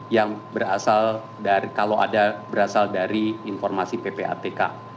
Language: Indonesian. yang berasal dari kalau ada berasal dari informasi ppatk